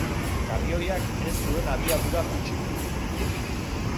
Kamioiak ez zuen abiadura gutxitu.